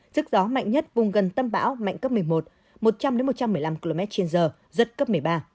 sức gió mạnh nhất vùng gần tâm bão mạnh cấp một mươi một một trăm linh một trăm một mươi năm km trên giờ giật cấp một mươi ba